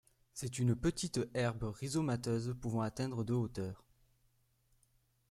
C'est une petite herbe rhizomateuse pouvant atteindre de hauteur.